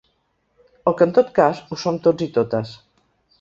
O que en tot cas, ho som tots i totes.